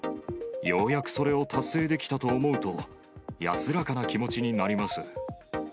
ようやくそれを達成できたと思うと、安らかな気持ちになります。